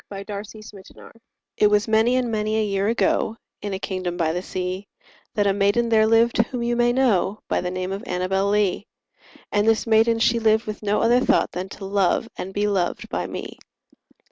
1846 Note Annabel Lee It was many and many a year ago, In a kingdom by the sea, That a maiden there lived whom you may know By the name of Annabel Lee; And this maiden she lived with no other thought Than to love and be loved by me.